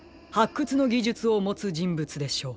くつのぎじゅつをもつじんぶつでしょう。